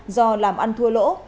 do làm ăn thua lỗ